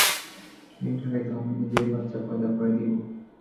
এই টাকায় তো আমি নিজেই বাচ্চা পয়দা করে দিব।